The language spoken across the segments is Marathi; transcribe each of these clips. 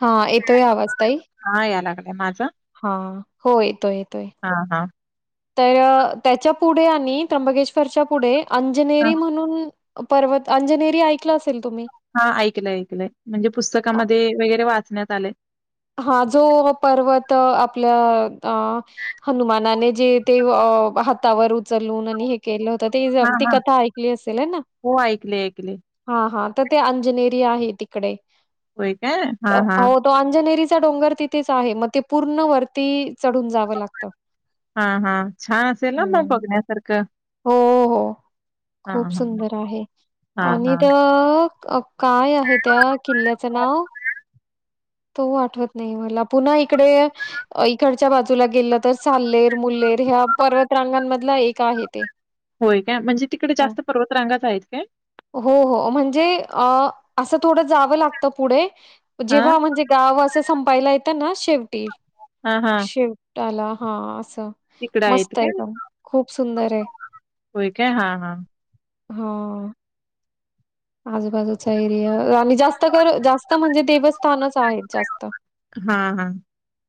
हा एतोय आवाज ताई. हा या लागलाय माझा हा हो येतोय येतोय. हा हा तर त्याच्या पुढे आणि त्र्यंबकेश्वरच्या पुढे हा अंजनेरी म्हणून पर्वत अंजनेरी ऐकलं अस हा ऐकलंय ऐकलंय म्हणजे पुस्तकामध्ये वगैरे वाचण्यात आलंय. हा जो पर्वत आपल्या हनुमानाने जे ते हातावर चलून आणि हे केलं होत ते हां अगदी हां कथा ऐकली असेल ना हो ऐकले ऐकले हा हा. तर ते अंजनेरी आहे तिकडे होय काय हां हां हो तो अंजनेरी डोंगर तिथेच आहे मग ते पूर्ण वर्ती हा हा छान असेल ना ना हं. बघण्यासारखं हो, हो. हां खूप हां सुंदर आहे हां आणि हां. तर अ काय आहे त्या किल्ल्याचं नाव तो आठवत नाही मला पुन्हा इकडे इकडच्या बाजूला गेलं तर चाल्लेर मुलेर हा पर्वतरांगांमधलं एक आहे ते. होय काय म्हणजे तिकडे हां. जास्त पर्वतरांगाच आहेत काय? हो हो म्हणजे अ असं थोडं जावं लागत पुढे हां जेव्हा म्हणजे गाव असं संपायला येतं ना शेवटी हां हां शेव ला हा अस. तिकडं आहेत मस्त काय एकदम खूप सुंदर ये. होय काय हां हां. हा. आजूबाजूचा एरिया आणि जास्त कर जास्त म्हणजे देवस्थानच आहेत जास्त. हा हा.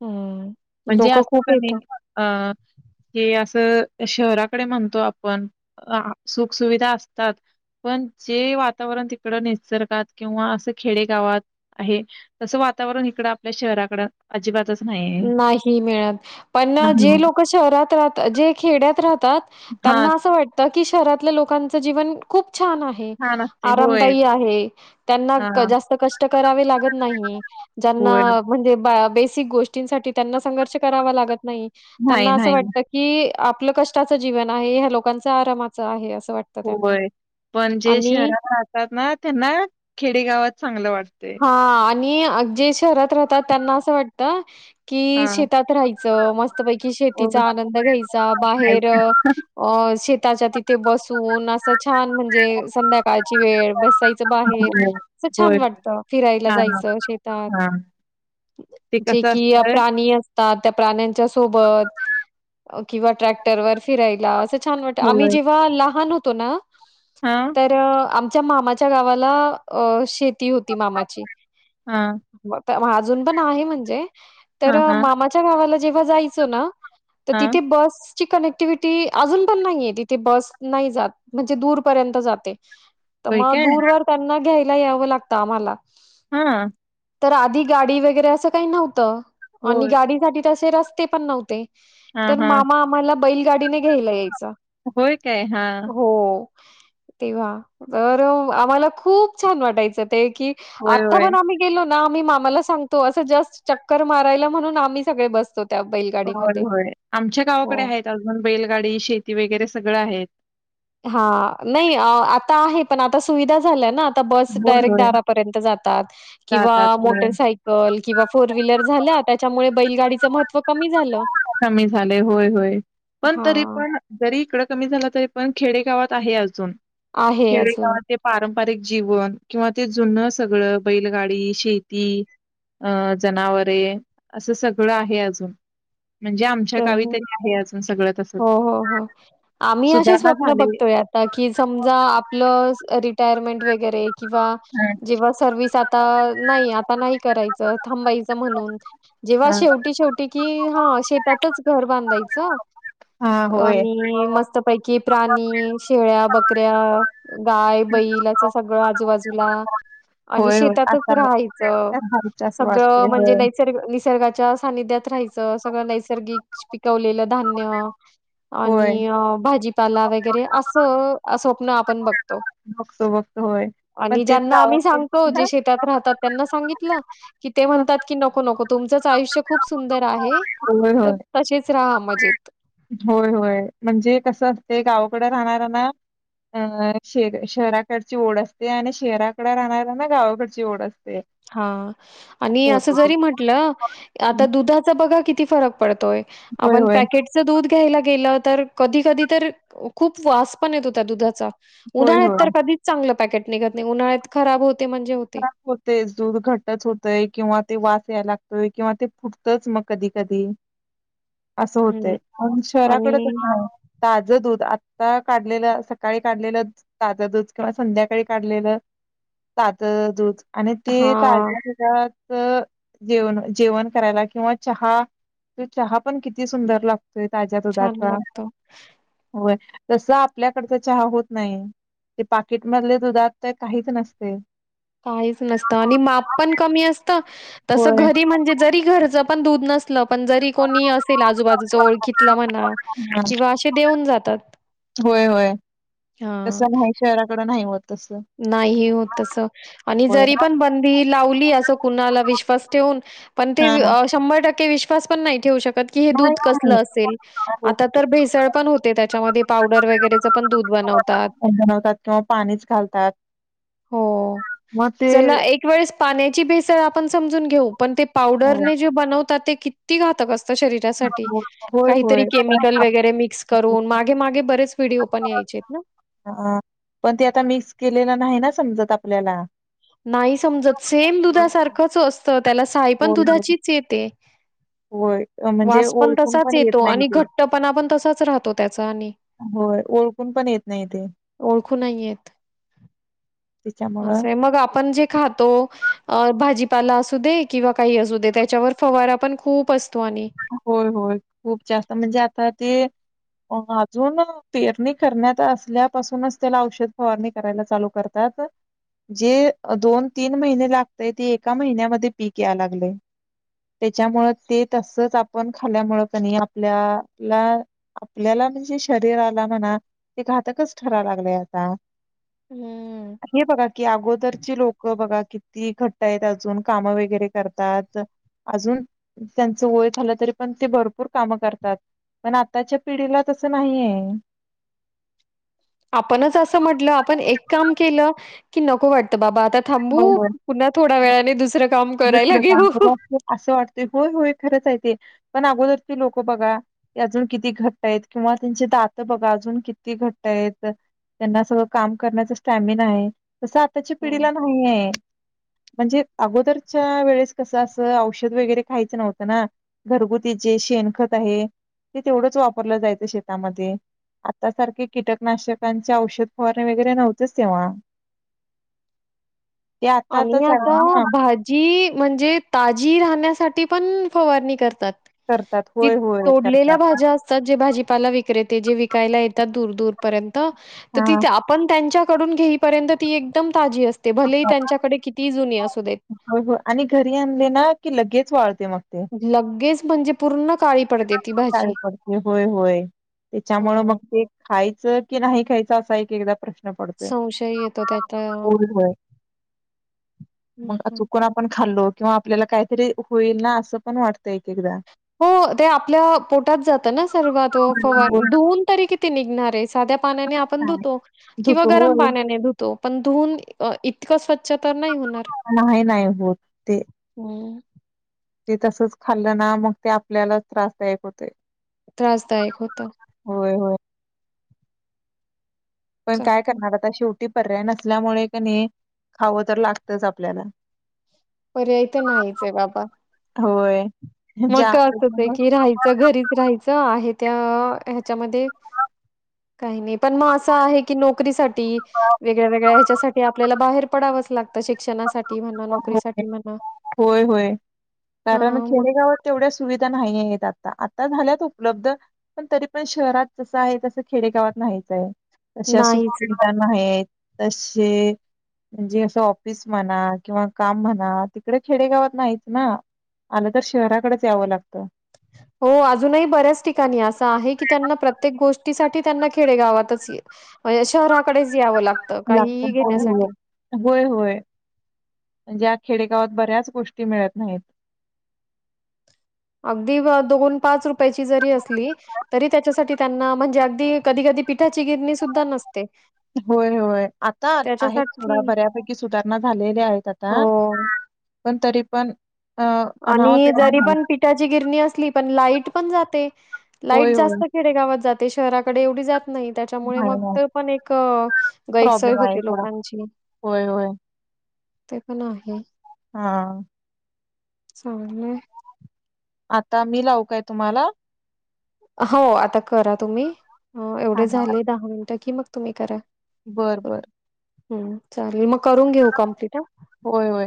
हम्म. म्हणजे लोकं असं खूप क नै येतात. हे असं शहराकडे म्हणतो आपण सुख सुुविधा असतात पण जे वातावरण तिकड निसर्गात किंवा असं खेडे गावात आहे तसं वा वातावरण इकडं आपल्या शहराकडं अजिबातच नाहीये. ना ही मिळत पण जे लोक शहरात राहता जे खेड्यात राहत तात हा त्यांना अस वातट की शहरातल्या लोकांच जीवन खूप छान आहे छान असते होय आरामदायी आहे त्यांना क हा. जास्त कष्ट करावे लागत नाही. ज्यांना होय म्हणजे बेसिक गोष्टींसाठी त्यांना संघर्ष करावा लागत नाही नाही त्यांना असं नाही वाटत की आपलं कष्टाचं जीवन आहे ह्या लोकांच आरामाचं आहे अस वाटतं त्यांना. होय. पण जे शहरात राहतात ना त्यांना खेडेगावात चांगलं वाटतय. हां आणि जे शहरात राहतात त्यांना असं वाटत कि हा. शेतात राहायचं मस्तपैकी शेतीचा आनंद घ्यायचा बाहेर अ शे ताच्या तिथे बसून असं छान म्हणजे संध्याकाळची वेळ बसायचं बाहेर होय, होय. छान वाटत फिरायला हां, जायचं शेतात. हां. ते जे कसं अस की प्राणी असता त्याग प्राण्यांच्या सोबती किंवा ट्रॅक्टर वर फिरायला छान वाटं आम्ही होय. जेव्हा लहान होतो ना हां. तरं आ मच्या मामाच्या गावाला अ शेती होती मामाची हां, म हां अजून पण आहे म्हणजे हां, तरं हां, मामाच्या गावाला जेव्हा जायचो ना तर हां. तिथे बस ची कनेक्टिविटी अजून पण नाहीये तिथे बस नाही जात म्हणजे दूर पर्यंत जाते त होय मग काय? दूरवर त्यांना घ्यायला यावं लागतं आम्हाला. हां. तर आधी गाडी वगैरे असं काही नव्हतं आणि होय. गाडीसाठी तसे रस्ते पण नव्हते हां, तर हां. मामा आम्हाला बैलगाडीने घ्यायला येय होय काय? हां. तेव्हा, तर आम्हाला खूप छान वाटायचं. ते की, होय, आत्ता होय. पण आम्ही गेलो ना आम्ही मामाला सांगतो असं जस्ट चक्कर मारायला म्हणून आम्ही सगळे बसतोत. होय होय आमच्या गावाकडे हो. आहेत अजून, बैलगाडी शेती वगैरे सगळं आहेत. हां नाही अं आता आहे पण आता सुविधा झाल्या ना? आता बस होय, डायरेक्ट होय. दारापर्यंत जातात, किंवा जातात. होय. मोटरसायकल, किंवा फोर व्हीलर झाल्या त्या च्यामुळे बैलगाडीचं महत्त्व कमी झालं. कमी झालंय होय होय. पण तरी हां, पण जरी इकडं कमी झालं तरी पण खेडे गावात आहे अजून आहे अजून खेडेगावात ते पारं पारिक जीवन किंवा ते जुनं सगळं बैलगाडी, शेती अ जनावरे असं सगळं आहे अजून. म्हणजे आमच्या तर गावी तरी आहे अजून सगळं तसं हो हो हो आम्ही अशी स्वप्न झाले बघतोय आता की समजा आपलं रिटायरमेंट वगैरे किंवा हा. जेव्हा सर्विस आ आ नाही आता नाही करायचं थांबायचं म्हणून जेव्हा हा. शेवटी शेवटी की हां शेतातच घर बांधायचं हा होय. आणि मस्तपैकी प्राणी शेळ्या बकऱ्या गाय बैलचं सगळं आजूबाजूला आणि होय होय शेतातच आता राहायचं असं सगळं वाटतय म्हणजे होय. नैसर्गिक निसर्गाच्या सानिध्यात राहायचं सगळं नैसर्गिक पिकवलेलं धान्य होय. आणि भाजीपाला वगैरे असं स्वप्न आपण बघ बघतो बघतो होय पण आणि तेच ज्यांना आम्ही गावाकडे सांगतो जे शेतात राहतात त्यांना सांगितलं कि ते होय म्हणतात की नको नको तुमचंच आयुष्य खूप सुंदर आहे तर होय. तसेच राहा मजेत होय होय म्हणजे कसं असतंय गावा कडं राहणारा ना अं श शहराकडची ओढ असते आणि शहराकडे राहणाऱ्यांना गावाकडची ओढ अस हां आणि असं जरी म्हटलं आता ते दुधाचा बघा किती फरक पडतोय होय आपण होय पॅकेटचं दूध घ्यायला गेल कधी कधी तर खूप वास पण येत हो दुधा होय होय उन्हाळत तर कधीच चांगलं निघ नाही उन्हा्यात खब हो म्हणजे होते तेच दूध घटच होतंय किंवा ते वास यायला लागतोय किंवा ते फुटतच मग कधी कधी ह असं होत प शहराकडे कस नाही ताजं दूध आता काढलेलं सकाळी काढलेलं ताजं दूध किंवा संध्याकाळी काढलेलं तात दूध आणि ते ता हां, जेवण जेवण करायला किंवा चहा त चहा पण किती सुंदर लागतो ताज्यात दुधाच छान लागतं. हो तस आपल्याकडच चहा होत नाही ते पाकिटमधले दुधात तर काहीच नसते काहीच नसत आणि माप पण कमी असत तस होय. घरी म्हणजे जरी घरच पण दूध नस पण जरी कोणी असेल आजूबाजूच ओळखितलं म्हणा हां. किंवा असे देऊन जातात होय होय हां. तस नाही शहराकडून नाही होत तस आणि जरी पण बंदी लावली असं कुणाला विश्वास ठेवून पण ते शंभर टक्के विश्वास पण नाही ठेवू शकत हे नाही दध कस नाही. असेल हो. हो. आता भेसळ पण होते त्याच्यामध्ये पावडर वगरे पण द बनवतात बनवतात किंवा पाणीच घालतात हो मग ते चला एक वेळेस पाण्याची भेसळ आपण समजून घेऊ पण ते होय, पावडरने जे बनवतात ते किती घातक अस शरीरासाठी होय. होय. काहीतरी पण केमिकल वगैरे मिक्स करून मागे मागे बरेच व्हिडिओ पण यायचे ित ना ह पण ते आता मिक्स केलेलं नाही ना समजत आपल्याला नाही समजत सेम दुधासारखंच असतं त्याला साई पण होय, होय. दुधाचीच येते होय. अ, म्हणजे वास पण ओळखून तसाच येत येतो नाही आणि ते. घट्टपणा पण तसाच राहतो त्याचा आणि होय ओळखून पण येत नाही ते ओळखू नाही येत त्याच्यामुळं असं आहे मग आपण जे खातो भाजी ला असू दे किंवा काही असू दे त्याच्यावर फवारा पण खूप अस होय होय खूप जास्त म्हणजे आता ते अजून पेरणी करण्यात असल्यापासूनच त्याला औषध फवारणी करायला चालू करतात ह का जे दोन तीन महिने लागतय ते एका महिन्यामध्ये पीक या लागले त्याच्यामुळे ते तस आपण खाल्यामूळ कनी. आपल्याला-आपल्याला म्हणजे शरीराला म्हणा. ते घातकच ठराय लागलेय आता. हम्म. हे बघा की. अगोदरची लोक बघा किती घट्ट आहेत. अजून कामं वगैरे करतात. अजून त्यांचं वय. झालं तरी पण ते भरपूर काम करतात. पण आताच्या पिढीला तसं नाही आहे. आपणच असं म्हटलं. आपण एक काम केलं की नको वाटतं बाबा आता होय थांबू होय पुन्हा थोड्या वेळाने दुसरं काम करायला काम घेऊ. करू असं वाटत. होय-होय खरंच आहे ते. पण अगोदरचे लोक बघा. अजून किती घट्ट आहेत. किंवा त्यांचे दात बघा अजून किती घट्ट आहेत. त्यांना सगळं काम करण्याचा स्टॅमिना आहे. तसं आताच्या हो. पिढीला नाही आहे. म्हणजे अगोदरच्या वेळेस कसं असं औषध वगैरे खायचं नव्हतं ना घरगुतीच जे शेणखत आहे. ते तेवढंच वापरलं जायचं शेतामध्ये. आता सारखे कीटकनाशकांचे औषध फवारणे वगैरे नव्हतेच तेव्हा. [unintelligible] ते आता आणि आता. चालू ना भाजी म्हणजे ताजी राहण्यासाठी पण फवारणी करतात. करतात की होय होय करतात तोडलेल्या भाज्या असतात ते भाजीपाला विकतात. विक्रेते. जे विकायला येतात. दूर-दूर पर्यंत तर ती. हा आपण त्यांच्या. कडून घेपर्यंत ती एकदम ताजी असते. भले ही. होय. होय. आणि घरी आणले ना की लगेच वाळते मग. लगेच म्हणजे पूर्ण काळी पडते ती भाजी. काळी पडते. होय-होय त्याच्यामुळं मग हो. ते खायचं की नाही खायचं असा एकदा-एकदा प्रश्न पडतोय. संशय येतो त्याचा. हं, मग हं. चुकून आपण खाल्लो किंवा आपल्याला काहीतरी होईल ना असं पण वाटतं एक एकदा हो ते आपल्या पोटात जातं ना सर्व तो फवारणी धुऊन तरी किती निघणार आहे. साध्या पाण्याने आपण धुतो किंवा होतो गरम होय पाण्याने धुतो पण धून इतकं स्व - - च्छ तर नाही होणार. नाही नाही होत ते अं ते तसंच खाल्ल ना मग ते आपल्याला त्रासदायक होतेयं. त्रासदायक होतं. होय पण काय चालतंय. करणार आता शेवट टीपर्याय नसल्यामुळे कनी खावं तर लागतचं आपल्याला- - पर्याय तर नाहीच हाय, बाबा. होय. मग ज्या क असं होय त्याच्यामुळे की राहायचं घरीच राहायचं आहे. त्या ह्याच्यामध्ये काही नाही. पण मग असं आहे की नोकरीसा ठी वेगळ्या वेगळ्या ह्याच्यासाठी आपल्याला बाहेर पडावंच लागतं शिक्षणासाठी - - हो. होय, होय कारण हां, मग खेडेगावात तेवढ्या सुविधा नाहीयेत आ ता आता झाल्यात उपलब्ध पण तरी पण शहरात जसं आहे तसं खेडेगावात नाहीचाय. तश सु नाहीच आहे. [unintelligible] नाहीएत. तशे म्हणजे असं ऑफिस म्हणा किंवा - - काम म्हणा तिकडे खेडेगावात नाहीच ना. आलं तर शहराकडेचं यावं लागत. हो अजूनही बऱ्याच ठिकाणी असं आहे की त्यांना प्रत्येक गो - - ष्टीसाठी त्यांना खेडेगावातच शहराकडेचं यावं लाग - - लागतं होय. होय, होय, होय. ज्या खेडेगावात बऱ्याच गोष्टी मिळत नाहीत. अगदी दोन पाच रुपयांची जरी असली तरी त्यासाठी त्यांना म्हणजे अगधी कधी कधी - - पिठाची गिरणी सुद्धा नस - - होय, होय. आता आहेत त्याच्यासाठी सोडा बऱ्यापैकी सुधारणा झालेल्या आहेत आता. हो पण, तरी पण अ अनाहत आणि जरी पण पिठाची गिरणी असली, पण लाईट पण जाते. होय लाईट होय जास्त खेडेगावात जाते. शहराकडे एवढी जात नाही. नाही. त्याच्यामुळे मग नाही नाही ते पण एक गैरसोय प्रॉब्लेम आहे होते थोडा लोकांची - - [unintelligible] ते पण आहे. हा. चागलयं. आता मी लाउ काय तुम्हाला? हो. आता करा तुम्ही एवढे झाले दहा मिनट की मग तुम्ही करा. बर बर हम्. चालेल मग करून घेऊ कम्प्लीट. होय होय